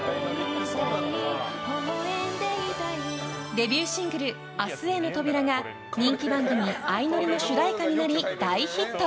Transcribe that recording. デビューシングル「明日への扉」が人気番組「あいのり」の主題歌になり大ヒット。